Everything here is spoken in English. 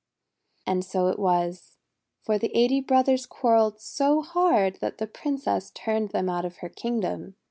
And so it was. For the eighty brothers quar relled so hard that the Princess turned them out of her kingdom.